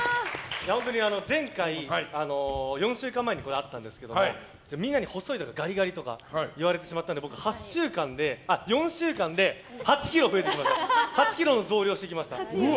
前回、４週間前にこの企画があったんですけどみんなに細いとかガリガリとか言われてしまったので僕、４週間で８ｋｇの増量してきました。